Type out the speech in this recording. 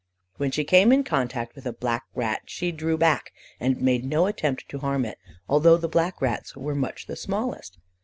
When she came in contact with a black rat she drew back, and made no attempt to harm it, although the black rats were much the smallest.